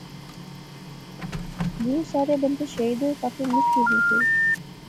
بہوں سارے بندے شہید ہوئے، کافی نکلی وی گئے